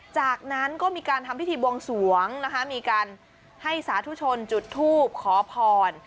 จากนั้นก็มีการทำพิธีบวงสวงนะคะมีการให้สาธุชนจุดทูบขอพร